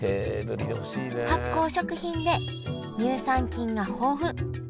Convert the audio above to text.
発酵食品で乳酸菌が豊富。